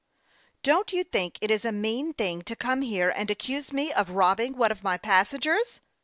" Don't you think it is a mean thing to come here and accuse me of robbing one of my passen gers